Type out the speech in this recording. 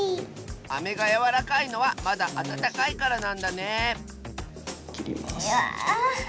アメがやわらかいのはまだあたたかいからなんだねえきります。